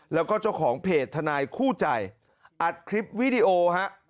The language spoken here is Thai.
แล้วก็เจ้าของเพจทนายคู่ใจอัดคลิปวิดีโอฮะ